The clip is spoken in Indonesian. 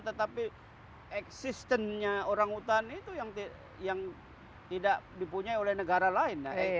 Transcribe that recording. tetapi existence nya orang hutan itu yang tidak dipunya oleh negara lain